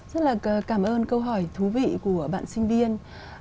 rất là cảm ơn câu hỏi thú vị của bạn sinh viên